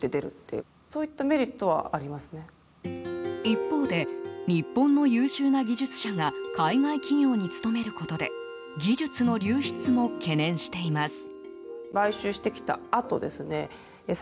一方で、日本の優秀な技術者が海外企業に勤めることで技術の流出も懸念しています。